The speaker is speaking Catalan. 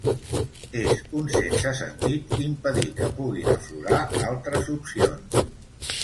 És un sense sentit impedir que puguin aflorar altres opcions.